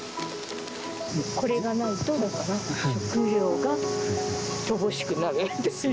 これがないと、食料が乏しくなるんです。